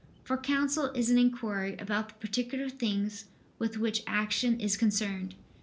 For counsel is an inquiry about the particular things with which action is concerned.